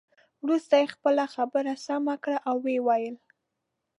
وروسته یې خپله خبره سمه کړه او ويې ویل.